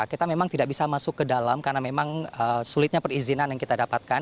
kita memang tidak bisa masuk ke dalam karena memang sulitnya perizinan yang kita dapatkan